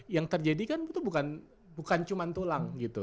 yang terjadi kan itu bukan cuma tulang gitu